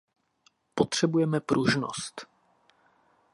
Potřebujeme pružnost.